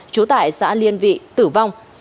trú tại xã liên vị tử vong